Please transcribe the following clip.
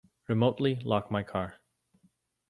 Remotely lock my car.